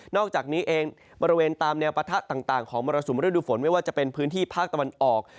อกจากนี้เองบริเวณตามแนวปะทะต่างของมรสุมฤดูฝนไม่ว่าจะเป็นพื้นที่ภาคตะวันออก